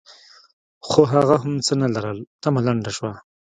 خو هغه هم څه نه لرل؛ تمه لنډه شوه.